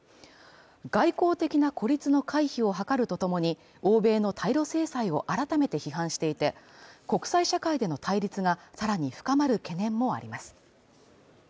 外交的な孤立の回避を図るとともに、欧米の対ロ制裁を改めて批判していて、国際社会での対立がさらに深まる懸念もあります。